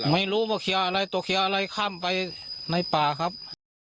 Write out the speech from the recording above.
ไม่รู้ว่าเคลียร์อะไรตัวเขียวอะไรข้ามไปในป่าครับ